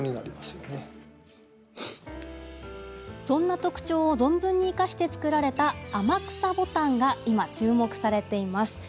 そんな特徴を存分に生かして作られた天草ボタンが今、注目されています。